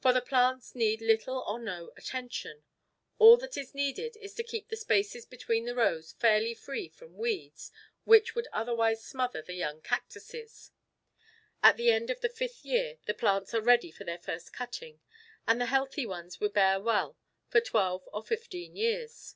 For the plants need little or no attention: all that is necessary is to keep the spaces between the rows fairly free from weeds which would otherwise smother the young cactuses. At the end of the fifth year the plants are ready for their first cutting, and the healthy ones will bear well for twelve or fifteen years.